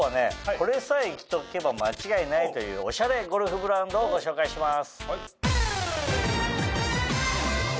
これさえ着とけば間違いないというおしゃれゴルフブランドをご紹介します。